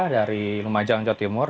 dari lumajang jawa timur